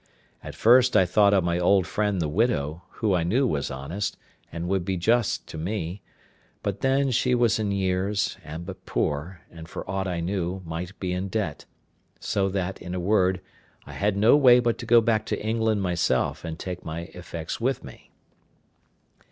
At first I thought of my old friend the widow, who I knew was honest, and would be just to me; but then she was in years, and but poor, and, for aught I knew, might be in debt: so that, in a word, I had no way but to go back to England myself and take my effects with me.